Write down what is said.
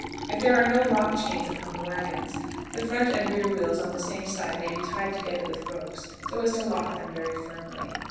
If there are no lock chains upon wagons, the front and rear wheels on the same side may be tied together with ropes so as to lock them very firmly.